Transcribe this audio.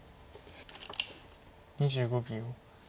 ２５秒。